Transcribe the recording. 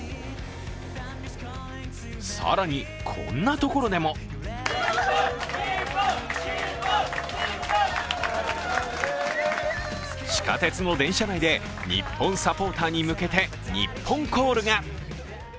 更にこんなところでも地下鉄の電車内で日本サポーターに向けてニッポンコールが。